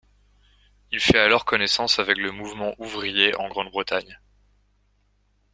Il fait alors connaissance avec la mouvement ouvrier en Grande-Bretagne.